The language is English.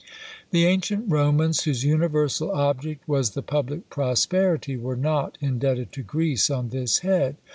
The ancient Romans, whose universal object was the public prosperity, were not indebted to Greece on this head.